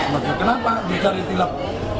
maka kenapa dicari tilap